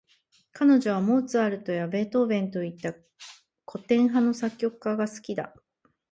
彼女はモーツァルトやベートーヴェンといった、古典派の作曲家が好きだ。